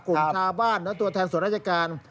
ชาวบ้านและตัวแทนส่วนราชการ